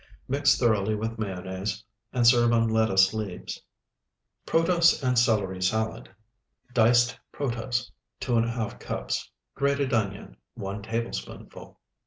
Mix thoroughly with mayonnaise, and serve on lettuce leaves. PROTOSE AND CELERY SALAD Diced protose, 2½ cups. Grated onion, 1 tablespoonful.